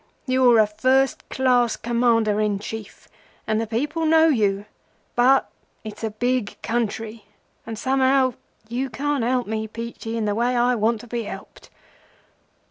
You're a first class Commander in Chief, and the people know you; but—it's a big country, and somehow you can't help me, Peachey, in the way I want to be helped.